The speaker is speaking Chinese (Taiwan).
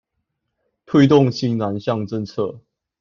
推動新南向政策